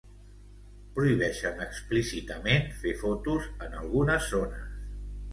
prohibeixen explícitament fer fotos en algunes zones